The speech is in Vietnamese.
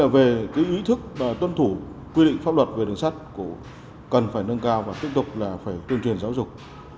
về ý thức tuân thủ quy định pháp luật về đường sắt cần phải nâng cao và tiếp tục là phải tuyên truyền giáo dục